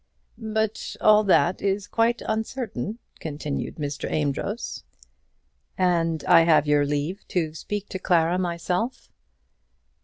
"But all that is quite uncertain," continued Mr. Amedroz. "And I have your leave to speak to Clara myself?"